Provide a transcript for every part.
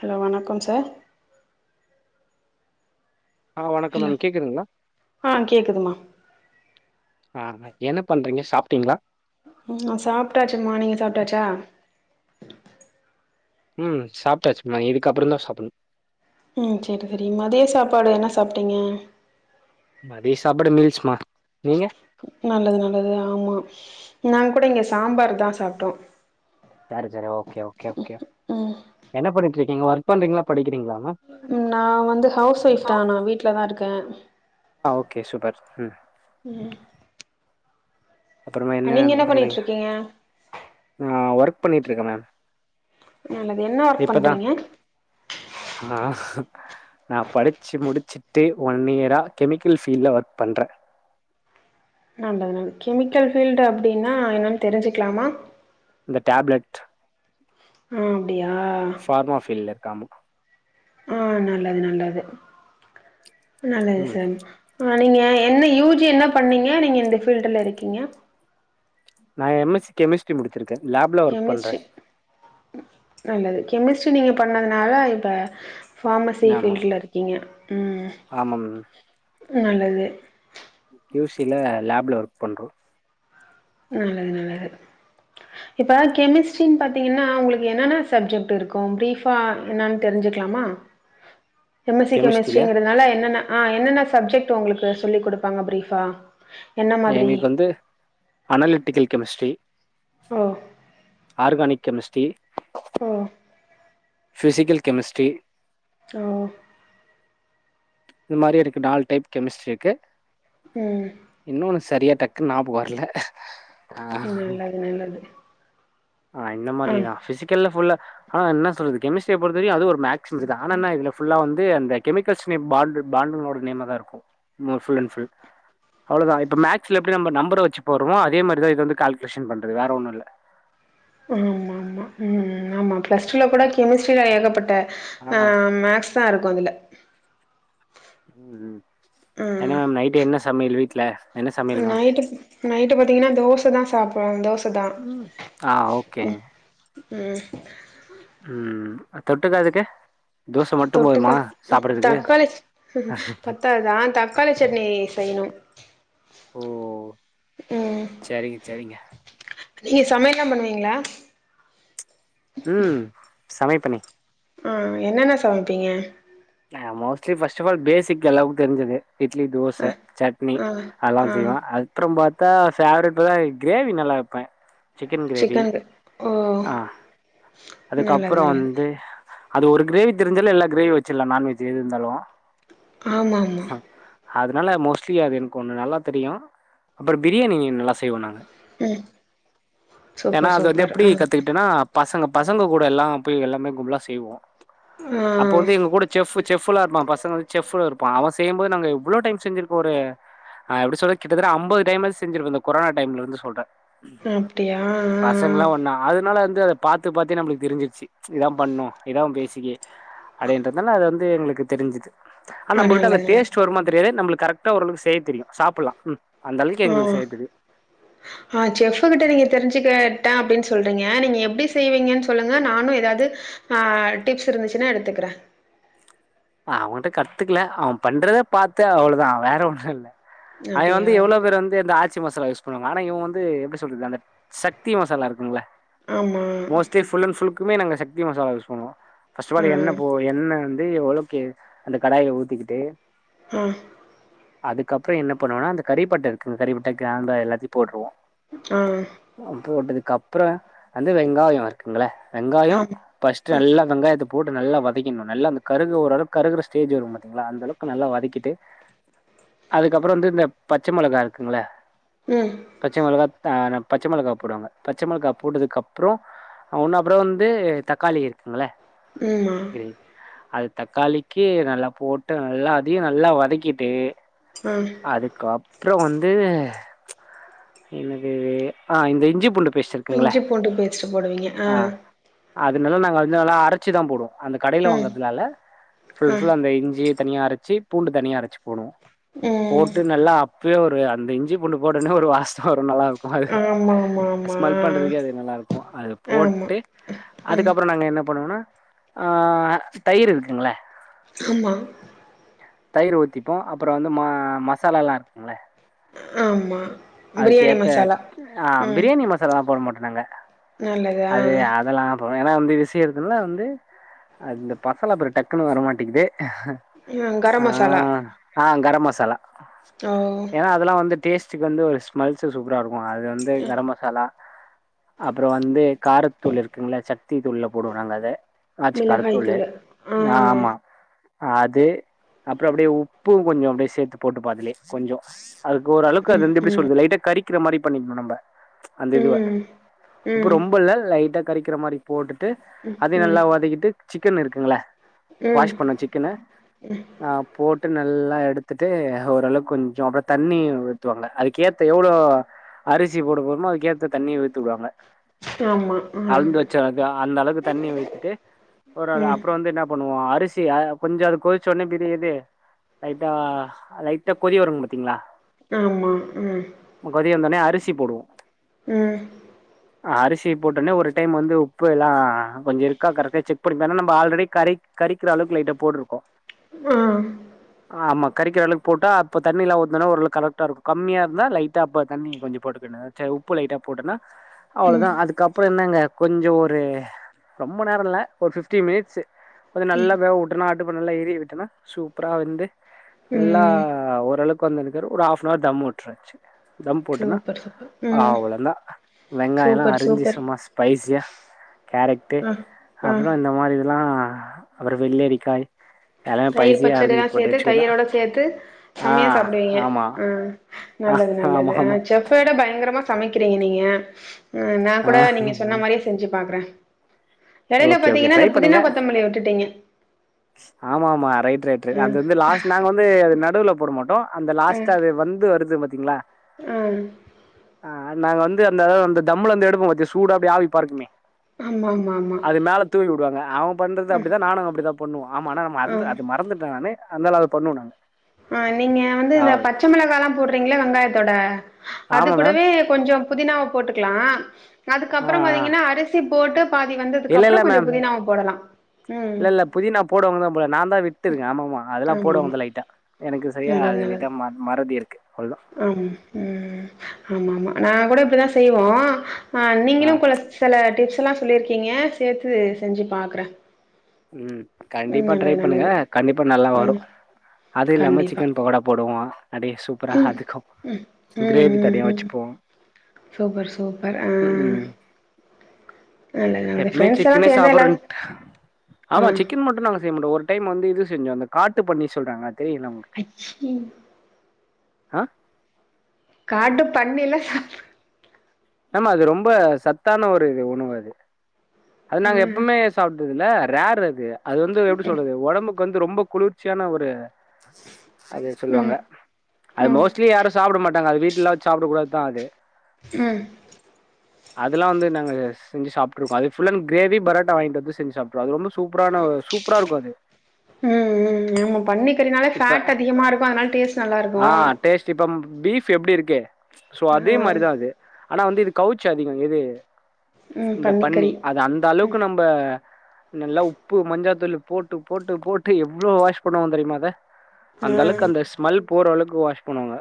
Hello வணக்கம் sir ஆ வணக்கம் ஹலோ மேம் கேட்குதுங்களா ஆ கேக்குதுமா ஆ என்ன பண்றீங்க சாப்டீங்ளா ம் நா சாப்டாச்சிம்மா நீங்க சாப்டாச்சா ம் சாப்டாச்சிமா இதுக்கப்புறம் தா சாப்புட்ணு ம் சேரி சேரி மதிய சாப்பாடு என்ன சாப்டீங்க மதிய சாப்பாடு மீல்ஸ்மா. நீங்க? நல்லது நல்லது ஆமா நாங்க கூட இங்க சாம்பார் தா சாப்ட்டோ. சேரி சேரி ஓகே ஓகே ஓகே. என்ன பண்ணிட்ருக்கீங்க ஒர்க் பண்றீங்ளா? படிக்கிறிங்ளா? நா வந்து ஹவுஸ் ஒய்ஃப் தா நா வீட்லதா இருக்கே. ஆ ஓகே சூப்பர் ம். ம். அப்பறமா என்ன நீங்க பண்றீங்க? பண்ணிட்ருக்கீங்க அ ஒர்க் பண்ணிட்ருக்கே மேம். அ நது என்ன ஒர்க் பண்றீங்க? நாஸ் நா படிச்சி முடிச்சிட்டு ஒன் இயரா கெமிக்கல் ஃபீல்ல ஒர்க் பண்றே. [unintelligible] கெமிக்கல் ஃபீல்டு அப்டின்னா என்னன் தெரிஞ்சிக்லாமா? இந்த டேப்லெட் அ அப்டியா? ஃபார்மா ஃபீல்ல இருக்க ஆமா. ஆ நல்லது நல்லது நல்லது ம் சம்ப் அ நீங்க என்ன யூ ஜி என்ன பண்ணீங்க? நீங்க இந்த ஃபீல்டுல இருக்கீங்க. நா எம் எஸ் சி கெமிஸ்ட்ரி முடிச்சிருக்கே லேப்ல ஒர்க் பண்றே. கெமிஸ்ட்ரி நல்லது கெமிஸ்ட்ரி நீங்க பண்ணதுனால இப்ப ஃபாமசி ஆமா ஃபீல்டுல இருக்கீங்க ம். ஆமா மேம். நல்லது. கியூ சி ல லேப்ல ஒர்க் பண்றோ. நல்லது நல்லது. இப்ப கெமிஸ்ட்ரின் பாத்தீங்கன்னா உங்குளுக்கு என்னன்னா சப்ஜெக்ட் இருக்கு. ப்ரீஃபா என்னன் தெரிஞ்சுக்லாமா? உஹ எம் எஸ் சி கெமிஸ்ட்ரியில கெமிஸ்ட்ரிங்கறதுனால என்னென்ன ஆ என்னென்ன சப்ஜெக்ட் உங்குளுக்கு சொல்லி குடுப்பாங்க ப்ரீஃபா? என்ன அ மாதிரி எங்குளுக்கு வந்து அனலிட்டிக்கல் கெமிஸ்ட்ரி, ஓ ஆர்கானிக் கெமிஸ்ட்ரி, ஒ ஃபிசிக்கல் கெமிஸ்ட்ரி, ஒ இந்மாரி இருக்கு நால் டைப் கெமிஸ்ட்ரிக்கு. ம். இன்னொன்னு சரியா டக்குன் ஞாபுகோ வர்ல. நல்லது நல்லது. ஆ இந்த ஆ மாரிதா ஃபிசிக்கல்ல ஃபுல்லா ஆனா என்ன சொல்றது கெமிஸ்ட்ரிய பொருத்த வரியு அது ஒரு மேக்ஸ்மிஸ்தா ஆனா என்னா இதுல ஃபுல்லா வந்து அந்த கெமிக்கல்ஸ் பாண்டு பாண்டுங்களோட நேமா தா இருக்கு மோ ஃபுல் அண் ஃபுல். அவ்ளதா இப்ப மேக்ஸ்ல எப்டி நம்ப நம்பர வெச்சு போறமோ அதே மாரிதா இது வந்து கேல்குலேஷன் பண்றது வேற ஒன்னு இல்ல. ஆமா ஆமா ம் ஆமா பிளஸ் டூல கூட கெமிஸ்ட்ரில ஏகப்பட்ட அ ஆ மேக்ஸ் தா இருக்கு அதுல. ம் ம் என்னா மேம் நைட்டு என்ன சமையல் வீட்ல? என்ன அ சமையல் மேம் நைட்டுப் நைட்டு பாத்தீங்கன்னா தோசை தா சாப்டுவாங் தோஸ் தா ம் ஆ ஓகேங்க ம் ம். ம் தொட்டுக்க அதுக்கு? தோச மட்டு போதுமா தொட்டுக்கறக் சாப்புட்றதுக்கு தக்காளிஸ் பத்தாதுதா தக் காளிச்சட்னி செய்ணு. ஓ ம். செரிங்க செரிங்க நீங்க சமையல்லா பண்ணுவீங்ளா ம் சமைப்பனே ஆ என்னன்ன சமைப்பீங்க ஆ மோஸ்லி ஃபஸ்ட்டஃப் ஆல் பேசிக் அளவுக்கு இருந்துது இட்லி அ தோச சட்னி ஆ அதல்லா ஆ செய்வே அ அப்றம் பாத்தா ஃபேவரட்னா கிரேவி நல்லா வைப்பே சிக்கன் கிரேவி சிக்கனுக்கு ஓ! ஆ நல்லது, அதுக்கப்றோ நல்லது. வந்து அது ஒரு கிரேவி தெரிஞ்சாலே எல்லா கிரேவி வச்சில்லா நாான்வெஜ் எது இருந்தாலு ஆமா ஆமா அதனால மோஸ்ட்லி அது எனக்கு ஒன்னு நல்லா தெரியு அப்றோ பிரியாணி நல்லா செய்வ நானு ம். ஏனா சூப்பர், அது வந்து சூப்பர். எப்டி ஆ. கத்துக்கிட்டேனா பசங்க பசங்க கூட எல்லா போய் எல்லாமே கும்பலா செய்வோ ம் அப்ப வந்து எங்க கூட செஃபு செஃபுலா இருப்பா பசங்க வந்து செஃபுலா இருப்பா அவ செய்யம்போது நாங்க எவ்ளோ டைம் செஞ்சிருக்கோ ஒரு அ எப்டி சொல்ற கிட்டத்தட்ட அம்பது டைமாச்சு செஞ்சிருப்போ இந்த கொரோனா டைம்லருந்து சொல்றே அப்டியா ஆ, பசங்கலா ஆ. ஒன்னா அதனால வந்து பாத்து பாத்தே நம்ளுக்கு தெரிஞ்சிருச்சு இதா பண்ணு இதா பேசிக்கு அப்டின் அதனால அது வந்து எங்குளுக்கு தெரிஞ்சிது ஆன ஆ நம்புள்ட்ட அந்த நல்லது நல்லது. டேஸ்ட் வருமா தெரியாது நம்ளு கரெக்ட் டா ஒரளவுக்கு செய்ய தெரியு சாப்புல்லா ம் அந்த அளவுக்கு எங்குளுக்கு செய்ய தெரியு உ ஆ செஃபு கிட்ட நீங்க தெரிஞ்சு கேட்டேன் அப்டின் சொல்றீங்க நீங்க எப்டி செய்வீங்கன்னு சொல்லுங்க நானு எதாது ஆ டிப்ஸ் இருந்துச்சுன்னா எடுத்துக்குறே அவங்கிட்ட கத்துக்கல அவ பண்றத பாத்தே அவ்ளதா வேற ஒன்னு இல்ல அதுல வந்து அப்டியா? எவ்ளோ பேரு வந்து இந்த ஆச்சி மசாலா யூ போன வாரோ இவ வந்து எப்டி சொல்றது அந்த சக்தி மசாலா இருக்குங்ல ஆமா. மோஸ்ட்லி ஃபுல் அண்ட் ஃபுல் க்குமே நாங்க சக்தி மசாலா யூஸ் பண்ணுவோ ஃபஸ்ட்ட ஆ, ஃபால் எண்ண போ எண்ண வந்து எவ்ளோ கு அந்த கடாய்ல ஊத்திக்கிட்டு ஆ அதுக்கப்றோ என்ன பண்ணுவனா அந்த கறிப்பட்ட இருக்குங்க கறிப்பட்ட கிராம்பு எல்லாத்தையு போட்ருவோ ம் அ போட்டதுக்கப்றோ வந்து வெங்காயோ குங்கல வெங்காயோ ஆமா. பஸ்ட்டு நல்லா வெங்காயத்த போட்டு நல்லா வதக்கிண்ணு நல்லா அந்த கருகு ஓரளக் கருகுற ஸ்டேஜ் வரு பாத்தீங்ளா அந்தளவுக்கு நல்லா வதக்கிட்டு அதுக்கப்றோ வந்து இந்த பச்ச மொளகா இருக்குங்ல ம் பச்ச மொளகா ஆ நம் பச்ச மொளகா போடுவாங்க பச்ச மொளகா போட்டதுக்கப்றோ ஒன்னு அப்றோ வந்து தக்காளி இருக்குங்ள ம்மா கு அது தக்காளிக்கு நல்லா போட்டு நல்லா அதையு நல்லா வதக்கிட்டு ஆ அதுக்கப்றோ வந்து என்னது ஆ இந்த இஞ்சி பூண்டு பேஸ்ட் இருக்குங்கள இஞ்சி பூண்டு பேஸ்ட்டு போடுவீங்க ஆ அது நல்லா நாங்க வந்து நல்லா அரை ச்சு தா போடுவோ அந்த கடைல ம். வாங்கறதுலால்ல ஆ. ஃபுல் ஃபுல் அந்த இஞ்சி தனியா அரச்சி பூண்டு தனியா அரச்சு போடுவோ ம். போட்டு நல்லா அப் பியே ஒரு அந்த இஞ்சி புண்டு போட்டோனே ஒரு வஸ்ஸ வரு நல்லாருக்கு அது ஆமாமாமா. ஸ்மெல் பண்றதுக்கே அது நல்லாருக்கு அது ஆ. ஆமா. போட்டு ம். அதுக்கப்பறோ நாங்க என்ன பண்ணுவோனா ஆ தயிரு இருக்குங்கள ஆமா தயிரு ஊத்திப்போ அப்றோ வந்து ம மசாலலா இருக்குங்கள ஆமா பிரியாணி அதுக்கேத்த மசாலா. ஆ ம். ப்ரியாணி மசாலால போட மாட்டோ நாங்க நல்லது ஆ அது அதெல்லா அப்றோ ஏன்னா வந்து விஷியோருங்குனால வந்து அ இந்த பசல பேரு டக்குன்னு வரமாட்டேக்குது கரம் ஆ மசாலா ஆ கர மசாலா ஓ ஏன்னா அதெல்லா வந்து டேஸ்ட்டக்கு வந்து ஒரு ஸ்மெல்ஸ்ஸு சூப்பரா இருக்கு அது வந்து கரோ மசாலா அப்றோ வந்து காரத்தூள் இருக்குங்கள சக்தி தூள்ள போடுவோ நாங்க அத ஆச்சு மிளகாய் கருத்துள்ளு தூளு ஆ ஆமா அது அப்றோ அப்டியே உப்பு கொஞ்சோ அப்டியே சேத்து போட்டுப்போ அதுலியே கொஞ்சோ அதுக்கு ஒரு அளக்கு அது வந்து எப்டி சொல்லுது லைட்ட கறிக்கிற மாரி பண்ணிக்கிணு நம்ப அந்த இதுவ ம் உப்பு ம் ரொம்ப இல்ல லைட்டா கரிக்கிற மாரி போட்டுட்டு ம் அதியு ம் நல்லா வதக்கிட்டு சிக்கன் இருக்குங்கள ம் வாஷ் பண்ண சிக்கனு ஆ போட்டு நல்லா எடுத்துட்டு ஓரளவுக்கு கொஞ்சோ அப்ற தண்ணி உத்துவாங்க அதுக் கேத்த எவ்ளோ அரிசி போட போறமோ அதுக்கேத்த தண்ணிய ஊத்திடுவாங்க ஆமா ஆ அழுந்து வச்ச அது அந்த அளவுக்கு தண்ணி வைத்துட்டு ஒரு ஒரு ம் அப்றோ வந்து என்ன பண்ணுவோ அரிசிய கொஞ்சோ அது கொதிச்ச ஒடனே ப்ரியது லைட்டா லைட்டா கொதி வருங்கு பாத்தீங்களா ஆமா ம் கொதி வந்தோன்னயே அரிசி போடுவோ ம் அரிசி போட்டோனே ஒரு டைம் வந்து உப்பெல்லா கொஞ்ச இருக்கா கரெக்டா செக் பண்ணிப்பா நம்ம ஆல்ரெடி கரை கறிக்கிற அளவுக்கு லைட்ட போட்டிருக்கோ ம் ஆமா கறிக்கிற அளவுக்கு போட்டா இப்ப தண்ணில ஊத்துண ஒர்ளவு கரெக்டா இருக்கு கம்மியா னா லைட்டா அப்ப தண்ணி கொஞ்சோ போட்டுக்குனு சே உப்பு லைட்டா போட்டேன்னா அவ்வளோ ம் தா அதுக்கப்புறோ என்னங்க கொஞ்சோ ஒரு ரொம்ப நேரோ இல்ல ஒரு ஃபிப்டி மினிட்ஸ்ஸு கொஞ்சோ நல்லா வேவ உட்டனா ஆட்டுப்ப நல்லா ஏறிய விட்டணு சூப்பரா வெந்து நல்லா ம் ஓரளவுக்கு வந்த [unintelligible] ஒரு ஆஃநோவர் தம் விட்டுறச்சு தம் போட்டனா சூப்பர் சூப்பர் ம் அவ்வளோந்தா வெங்காயோ எல்லா சூப்பர் அரிஞ்சு சூப்பர் சும்மா ஸ்பைசியா கேரட்டு ஆ ஆ அப்றோ இந்த மாரி இதெல்லா அப்றோ வெள்ளரிக்காய் எல்லாமே தயிர் பைசியா பச்சடி அரிஞ்சு எல்லா போட்டு சேத்து வச்சுக்கதா தயிரோட சேத்து ஆ செம்மையா சாப்புடுவீங்க ஆமா ம் ஆ நல்லது நல்லது ஆமா ஆ ஆமா செ ஃப் விட பயங்கரமா சமைக்கிறீங்க நீங்க ம் நா ஆ கூட நீங்க சொன்ன மாரியே செஞ்சு பாக்றே இடையில ஓகே ஓகே பாத்தீங்கன்னா ட்ரை இந்த புதினா பண்ணுங்க கொத்தமல்லிய விட்டுட்டீங்க ஆமா ஆமா ரைட் ரைட் ரைட் அது ம் வந்து லாஸ்ட் நாங்க வந்து அது நடுவுல போட மாட்டோ அந்த அ லாஸ்ட்டா அது வந்து வருது பாத்தீங்களா ம் ஆ நாங்க வந்து அந்த அந்த தம்ளருந்து எடுப்போ பத்திய சூடு அப்டி ஆவி பறக்குமே ஆமா ஆமா ஆமா அது மேல தூவி வுடுவாங்க அவங்க பண்றது அப்டிதான் நானும் அப்டிதான் பண்ணுவோ அமா ஆனா ந ஆ மறந்து அது மறந்துட்டனானே அதந்தால அத பண்ணுவோ நாங்க ம் நீங்க வந்து இந்த அவ்வளவுதான் பச்ச மிளகாலா போடுறீங்களா வெங்காயத்தோட அது ஆமா மேம் கூடவே கொஞ்சோ புதினாவ போட்டுக்கலாம் ஆ அதுக்கப்ரோ ஆ. பாத்தீங்கன்னா அரிசி போட்டு பாதி வந்ததுக்கப்ரோ இல்ல இல்ல அப்ரோ கொஞ்சோ மேம் புதினாவ போடலாம் இல்ல இல்ல புதினா போடுவாங்க போல நான் தான் விட்டதுங்கா ஆமாமா அதெல்லாம் ஆமா ஆமா போடுவாங்க லைட்டா எனக்கு சரியா அது லைட்டா ம மறதி இருக்கு அவ்லதா ஆ ம் ஆமா ஆமா நாங்க கூட இப்படிதான் செய்வோம் ஆ ஆ நீங்களும் பல சில டிப்ஸ்லா சொல்லிருக்கீங்க சேத்து செஞ்சு பாக்ற உம் கண்டிப்பா ட்ரை பண்ணுங்க நல்லது கண்டிப்பா நல்லா ம் வரும் அது இல்லாம கண்டிப்பா சிக்கன் பகோடா போடுவோம் அதே சூ புரோ ஹாதுக்கு சு ம் கிரேவி ம் தனியா ம் வச்சுப்போம் சூப்பர் சூப்பர் ஆ நல்லது நல்லது எப்பமே ஃப்ரெண்ட்ஸ் எல்லா சிக்கனே சேந்து எல்லாரு சாப்பிடறன் ஆ ஆமா சிக்கன் மட்டும் நாங்க செய்ய மாட்டோ ஒரு டைம் வந்து இது செஞ்சோ அந்த காட்டு பண்ணி சொல்றாங்க தெரியல உங்களுக்கு அச் ம் ஆ காட்டு பண்ணில சா ஆமா அது ரொம்ப சத்தான ஒரு உணவு அது அது ஆ நாங்க ம் எப்பவுமே சப்பறதுல ரேர் அது அது வந்து எப்படி சொல்றது உடம்புக்கு க்கு வந்து ரொம்ப குளிர்ச்சியான ஒரு அது சொல்லுவாங்க ம் அது ம் மோஸ்ட்லி யாரும் சாப்பிட மாட்டாங்க அது வீட்லலா வெச்சி சாப்டக் கூடாதுதா அது ம் அதெல்லாம் வந்து நாங்க செஞ்சு சாப்ட்டுருகோ அது ஃபுல்லா கிரேவி பராட்டா வாங்கிட்டு வந்து சாப்ட்ருவோ அது ரொம்ப சு சூப்பரான சூப்பரா இருக்கும் அது உம் உம் ஆமா பண்ணிக்கறனால இப்ப ஃபேட் அதிகமா இருக்கும் அதனால டேஸ்ட் நல்லா ஆ இருக்கும் டேஸ்ட் இப்ப பீஃப் எப்படி இருக்கு சோ அதே மாரிதான் அது ஆனா வந்து இது கவுச்சு அதிகோ எது ம் இந்த பண்ணி பன்னிக்கறி அது அந்த ம் அளவுக்கு நம்ப நல்லா உப்பு மஞ்சாத்தூள் போட்டு போட்டு போட்டு எவ்வளோ வாஷ் பண்ணுவோ தெரியுமா அத அந்த அளவுக்கு அந்த ஸ்மெல் போற அளவுக்கு வாஷ் பண்ணுவாங்க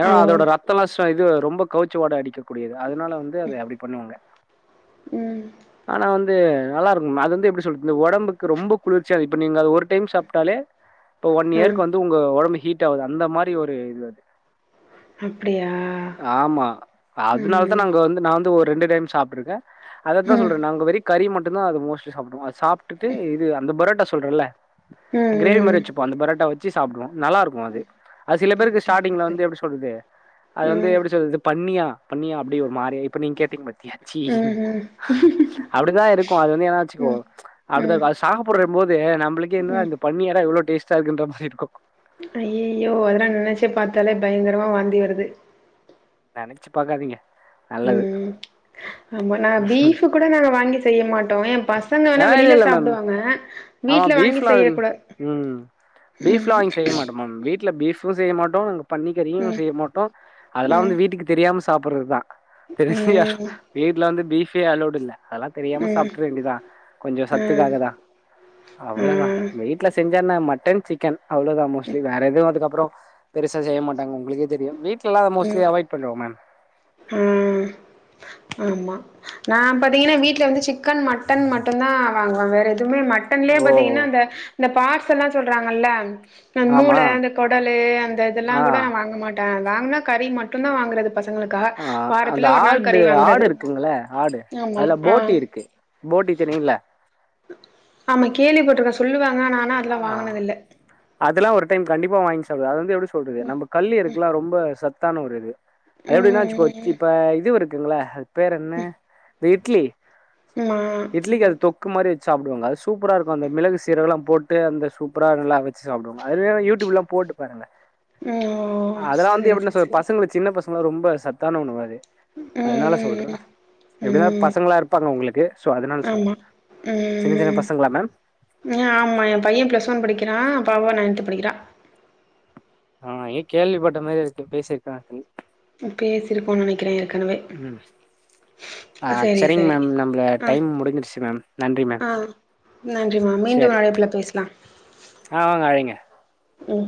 ஏன்னா ஆ ஓ அதோட ரத்தம் எல்லாம் ப இது ரொம்ப கவுச்சவாட அடிக்கக்கூடியது அதனால வந்து அத அப்படி பண்ணுவாங்க ம் ஆனா வந்து நல்லா இருக்கும் அது வந்து எப்பிடி சொல்றது இந்த உடம்புக்கு ரொம்ப குளிர்ச்சியா இரு இப்ப நீங்க அது ஒரு டைம் சாப்பிட்டாலே இப்ப ஒன் ஆ இயருக்கு வந்து உங்க ஒடம்பு ஹீட் ஆவாது அந்த மாரி ஒரு இது அது அப்டியா அதுனால தான் ம் நாங்க வந்து நான் வந்து ஒரு ரெண்டு டைம் சாப்ட்ருக்க அதத்தான் சொல்ற ம் நாங்க வெரி கறி மட்டும் தான் அது மோஸ்லி சாப்டுவோம் அத சாப்ட்டுட்டு இது அந்த பரோட்டா சொல்றல்ல ம் கிரேவி மாரி ம் வச்சுப்போம் அந்த பரோட்டா வச்சு சாப்டுவோம் நல்லா இருக் கு அது சில பேருக்கு சரி சரி ஸ்டார்டிங்ல சரி வந்து எப்படி சொல்றது அது வந்து ம் எப்படி சொல்றது பண்ணியா பண்ணிய அப்டடி ஒரு மாரி இப்ப நீங் கேட்டீங்க பத்தியா சி ம் ம் அப்படிதான் இருக்கும் அது வந்து என்னா வச்சுக்கோ ம் அப்படிதா ம் இருக்கு அத சாப்படுறம்போது நம்பளுக்கே என்ன ம் இந்த பன்னியல்லா எவ்ளோ டேஸ்ட்டா இருக்குன்ற மாரி இருக்கும் அயோ அதெல்லாம் நினைச்சே பார்த்தாலே பயங்கரமா வாந்தி வருது நனச்சி பாக்காதீங்க நல்லது உம் ஆமா நா பீஃ கூட நாங்க வாங்கி செய்ய மாட்டோ எ பசங்க வேணா ஆ இல்ல வெளியில இல்ல மேம் சாப்டுவாங்க ஆமா வீட்ல வாங்கி பீப்ல்லா இருக்ங் செய்யக்கூடாது உம் பீஃப்ல்லா ம் வாங்கி செய்ய மாட்டோ மேம் வீட்டுல பீபும் செய்ய மாட்டோ பன்னிக்கறியு ம் செய்ய மாட்டோ அதெல்லா ம் வந்து வீட்டுக்கு தெரியாம சாப்பறது தா தெரிப்ய்யா ம் வீட்டுல வந்து பீஃபே அலோடு இல்ல அதலா தெரியாம ம் சாப்டற வேண்டிதா கொஞ்சோ ஆ சத்துக்காகதா அவ்ளோதா ஆ வீட்ல செஞ்சா என்னா மட்டன் சிக்கன் அவ்ளோதா மோஸ்லி வேற எதுவு அதுக்கப்றோ பெருசா செய்ய மாட்டாங்க ஒங்களுக்கே தெரியு வீட்ல எல்லா அத மோஸ்லி அவாய்ட் பண்னுவே மேம் உம் ஆமா நா பாத்தீங்கன்னா வீட்ல வந்து சிக்கன் மட்டன் மட்டும்தா வாங்குவாங் வேற எதுவுமே மட்டன்லே ஓ பாத்தீங்கன்னா அந்த அந்த பாட்ஸ் எல்லா சொல்றாங்கல்ல அந்த ஆமா மூள அந்த கொடலு அந்த இதெல்லா ஆ கூட நா வாங்க மாட் ட வாங்கனா கறி மட்டு தா வாங்கறது பசங்களுக்காக ஆ அந்த வாரத்துல ஒரு நாள் கறி ஆடு வாங்குறது ஆடு இருக்குங்கெல்ல ஆடு ஆமா அதுல ஆ பொட்டி இருக்கு பொட்டி தெரியுல்ல ஆமா கேள்வி பட்டுருக்க சொல்லுவாங்க ஆனா அதெல்லா ஆ வாங்குனதில்ல அதெல்லா ஒரு டைம் கண்டிப்பா வாங்கி சாப்டு அது வந்து எப்டி சொல்றது நம்ப கல்லிறுக்கு எல்ல ரொம்ப சத்தான ஒரு இது அது எப்படின்னா வச்சுக்கோ ம் இப்ப இது இருக்குங்கல்ல பேர் என்ன இந்த இட்லி ம் ஆமா இட்லிக்கு அது தொக் கு மாரி வச்சு சாப்டுவாங்க அது சூப்பர இருக்கு அந்த மிளகு சீரகம்லா போட்டு ட்டு அந்த சூப்பரா நல்லா வச்சு சாப்டுவங்க அது யூடியூப் எல்லா போட்டு பாருங்க ம் ஓ அதல்லா வந்து சரி எப்டினா சரி சொல் சரி பசங்களு சின்ன பசங்கல்லா ரொம்ப சத்தான உணவு அது ம் அதனால சொல்ற ம் ம் எப்டி இருந்தாலு ம் பசங்களா இருபாங்க ஒங்களுக்கு சோ அதனால சொல்ற ஆமா சின்ன சின்ன பசங்களா மேம் ஆ ஆமா என் பையன் பிளஸ் ஒன் படிக்கிறான் பாப்பா நயன்த்து படிக்கரா ஆ எங்கே கேள்விப்பட்ட மேரி இருக்கு பேசி ருக்கானு பேசிருக்கோனு நெனைக்கிற ஏற்கனவே ம் ஆ சரி செரிங் சரி மேம் நம்மள ஆ டைம் முடிஞ்சிடுசு மேம் நன்றி மேம் ஆ நன்றிமா மீண்டு சரி அழைப்புல பேசலா ஆ அழைங்க உம்